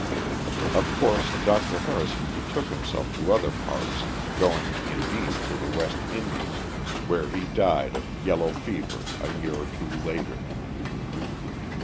Of course Dr. Harrison betook himself to other parts, going, indeed, to the West Indies, where he died of yellow fever a year or two later.